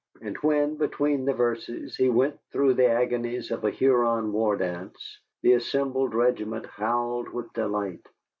And when, between the verses, he went through the agonies of a Huron war dance, the assembled regiment howled with delight.